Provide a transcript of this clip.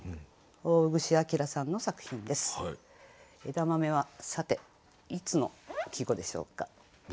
枝豆はさていつの季語でしょうか？